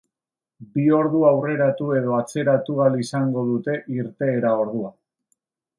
Bi ordu aurreratu edo atzeratu ahal izango dute irteera ordua.